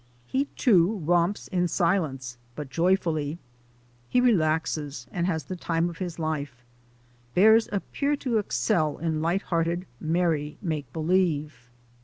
He, too, romps in silence, but joyfully. He relaxes and has the time of his life. Bears appear to excel in light hearted, merry make believe.